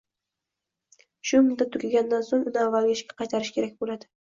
shu muddat tugaganidan so‘ng uni avvalgi ishiga qaytarish kerak bo‘ladi.